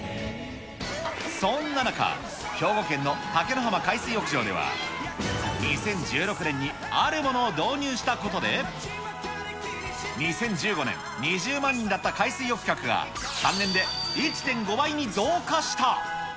そんな中、兵庫県の竹野浜海水浴場では、２０１６年にあるものを導入したことで、２０１５年、２０万人だった海水浴客が、３年で１．５倍に増加した。